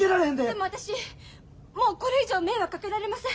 でも私もうこれ以上迷惑かけられません。